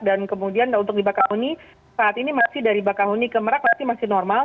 dan kemudian untuk di bakahuni saat ini masih dari bakahuni ke merah masih normal